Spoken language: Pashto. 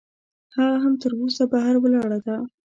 هغه هم تراوسه بهر ولاړه ده.